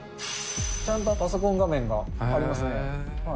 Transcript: ちゃんとパソコン画面がありますね。